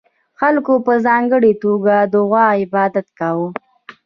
خلکو په ځانګړې توګه د غوا عبادت کاوه